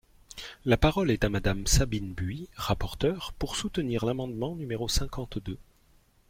La parole est à Madame Sabine Buis, rapporteure, pour soutenir l’amendement numéro cinquante-deux.